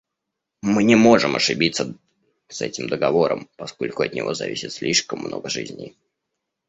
Мы не можем ошибиться с этим договором, поскольку от него зависит слишком много жизней.